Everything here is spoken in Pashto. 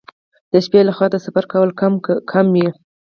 د شپې لخوا د سفر کول کم وي.